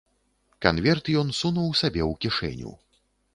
Канверт ён сунуў сабе ў кішэню.